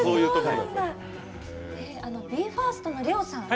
ＢＥ：ＦＩＲＳＴのＬＥＯさん